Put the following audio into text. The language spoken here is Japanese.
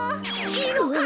いいのか？